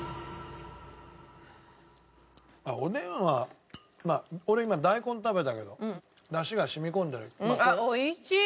あっおでんはまあ俺今大根食べたけどだしが染み込んでる。